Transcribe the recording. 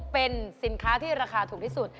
เป็นสินค้าที่ราคาถูกที่สุด